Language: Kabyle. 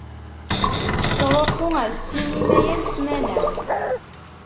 Tettṛuḥu ar ssinima yal ssmana.